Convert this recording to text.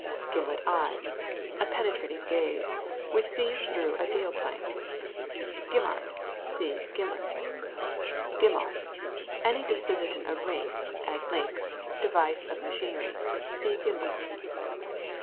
GIMLET EYE. A penetrating gaze, which sees through a deal plank. GIMMART. See GYMMYRT. GIMMEL. Any disposition of rings, as links, device of machinery. (See GIMBALS.)